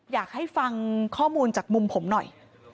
อยากให้ฟังข้อมูลจากมุมผมหน่อย